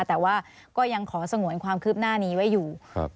แต่ว่าก็ยังขอสงวนความคืบหน้านี้ไว้อยู่